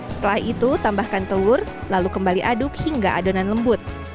setelah itu tambahkan telur lalu kembali aduk hingga adonan lembut